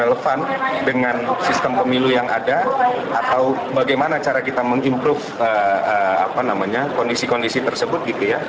untuk memiliki sistem pemilu yang ada bagaimana cara kita mengimprove kondisi kondisi tersebut